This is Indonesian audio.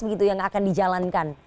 begitu yang akan dijalankan